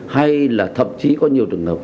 hay là thậm chí có nhiều trường hợp